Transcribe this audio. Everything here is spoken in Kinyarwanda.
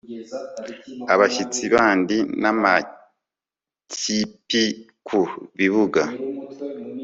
abashyitsi bandi n amakipi ku bibuga